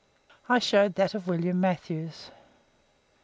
I showed that of William Matthews.